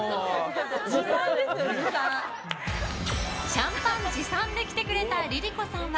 シャンパン持参で来てくれたＬｉＬｉＣｏさんは。